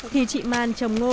thì chị màn trồng ngô